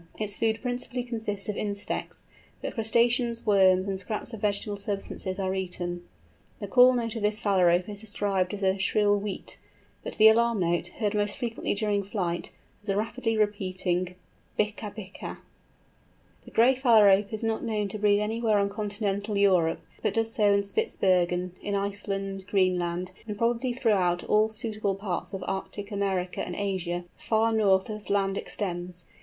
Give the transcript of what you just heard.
Its food principally consists of insects, but crustaceans, worms, and scraps of vegetable substances are eaten. The call note of this Phalarope is described as a shrill weet, and the alarm note, heard most frequently during flight, as a rapidly repeated bick abick a. The Gray Phalarope is not known to breed anywhere on continental Europe, but does so in Spitzbergen, in Iceland, Greenland, and probably throughout all suitable parts of Arctic America and Asia, as far north as land extends.